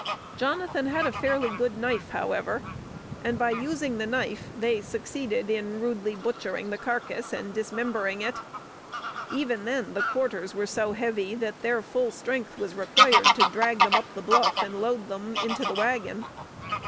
Jonathan had a fairly good knife, however, and by using the axe they succeeded in rudely butchering the carcass and dismembering it. Even then the quarters were so heavy that their full strength was required to drag them up the bluff and load them into the wagon.